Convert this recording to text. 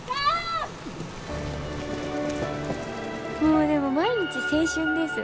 もうでも毎日青春です。